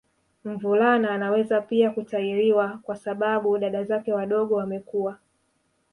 Mvulana anaweza pia kutahiriwa kwa sababu dada zake wadogo wamekua